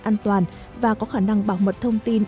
an toàn và có khả năng bảo mật thông tin